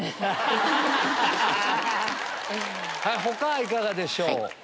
他いかがでしょう？